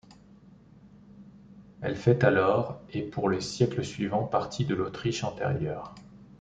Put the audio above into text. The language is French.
Elle fait alors et pour les siècles suivants partie de l'Autriche antérieure.